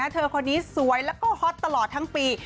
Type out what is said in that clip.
เธอคนนี้สวยแล้วก็ฮอตตลอดทั้งปี